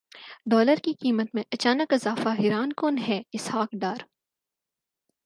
dollar کی قیمت میں اچانک اضافہ حیران کن ہے اسحاق ڈار